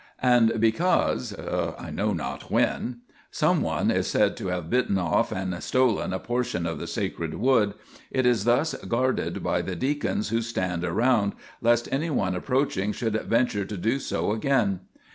And because, I know not when, some one is said to have bitten off and stolen a portion of the sacred wood, it is thus guarded by the deacons who stand around, lest any one approaching should venture to do so again.